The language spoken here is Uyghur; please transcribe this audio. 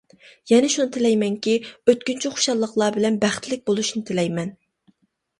يەنە شۇنى تىلەيمەنكى، ئۆتكۈنچى خۇشاللىقلار بىلەن بەختلىك بولۇشنى تىلەيمەن.